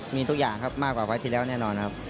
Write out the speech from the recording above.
มีทุกอย่างครับมากกว่าไฟล์ที่แล้วแน่นอนครับ